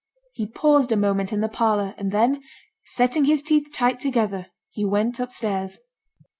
He paused a moment in the parlour, and then, setting his teeth tight together, he went upstairs.